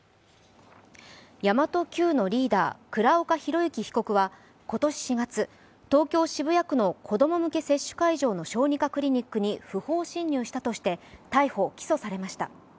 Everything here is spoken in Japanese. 神真都Ｑのリーダー、倉岡宏行被告は今年４月、東京・渋谷区の子供向け接種会場の小児科クリニックに不法侵入したとして逮捕・起訴されました。